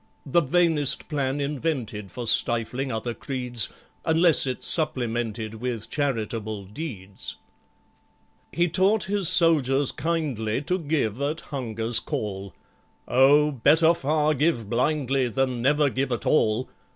(The vainest plan invented For stifling other creeds, Unless it's supplemented With charitable deeds.) He taught his soldiers kindly To give at Hunger's call: "Oh, better far give blindly, Than never give at all!